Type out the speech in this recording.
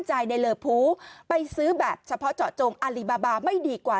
ในเลอพูไปซื้อแบบเฉพาะเจาะจงอารีบาบาไม่ดีกว่า